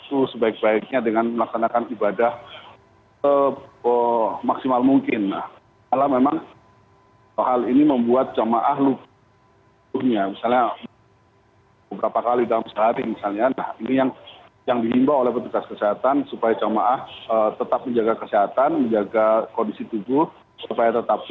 terima kasih pak